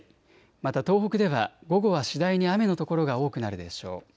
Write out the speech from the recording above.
また東北では午後は次第に雨の所が多くなるでしょう。